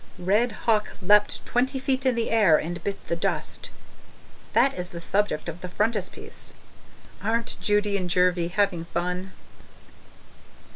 'Red Hawk leapt twenty feet in the air and bit the dust.' That is the subject of the frontispiece. Aren't Judy and Jervie having fun?